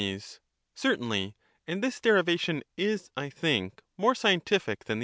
Certainly ; and this derivation is, I think, more scien tific than the other.